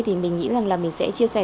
thì mình nghĩ là mình sẽ chia sẻ